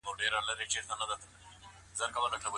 د څېړنې لپاره منلي دلایل ولرئ.